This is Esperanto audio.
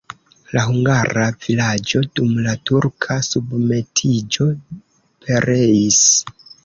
La hungara vilaĝo dum la turka submetiĝo pereis.